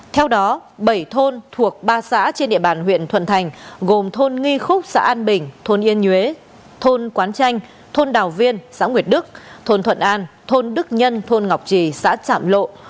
theo đó bảy thôn thuộc ba xã trên địa bàn huyện thuận thành gồm thôn nghi khúc xã an bình thôn yên nhuế thôn quán chanh thôn đào viên xã nguyệt đức thôn thuận an thôn đức nhân thôn ngọc trì xã trạm lộ